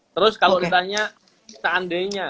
terus kalau ditanya seandainya